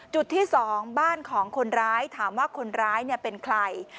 จุดที่๒บ้านของคนร้ายถามว่าคนร้ายเป็นใคร